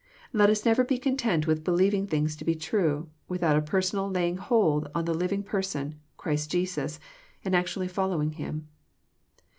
Left us never be content with believing things to be true, without a personal laying hold on the living Person, Christ Jesus, and actually fol lowing Him.